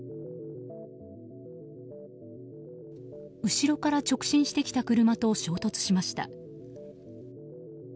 後ろから直進してきた車と衝突しました。